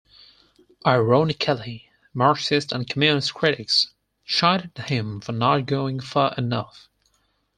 Ironically, Marxist and Communist critics chided him for not going far enough.